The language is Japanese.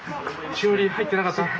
しおり入ってなかった？